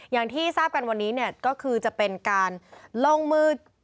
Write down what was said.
อย่างที่ทราบกันวันนี้เนี่ยก็คือจะเป็นการลงมือ